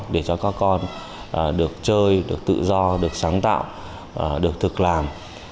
để cho các con được chơi được tự do được sáng tạo được thực làm